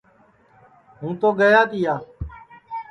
ہوں تو گیا تیا